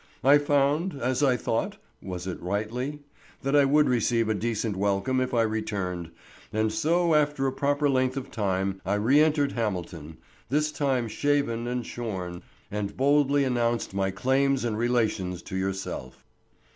I found, as I thought—was it rightly?—that I would receive a decent welcome if I returned, and so after a proper length of time I re entered Hamilton, this time shaven and shorn, and boldly announced my claims and relations to yourself.